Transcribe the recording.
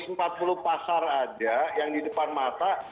empat puluh pasar aja yang di depan mata